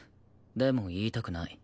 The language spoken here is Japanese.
でも言いたくない。